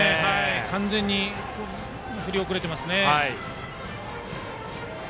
完全に振り遅れていますね。